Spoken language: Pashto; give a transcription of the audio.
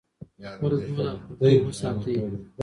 خپل دود او کلتور وساتئ.